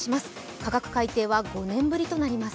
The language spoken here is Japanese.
価格改定は５年ぶりとなります。